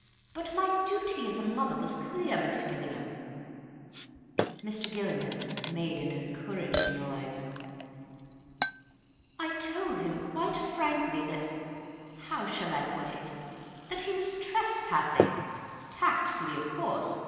But my duty as a mother was clear, Mr. Gillingham." Mr. Gillingham made an encouraging noise. "I told him quite frankly that—how shall I put it?—that he was trespassing. Tactfully, of course.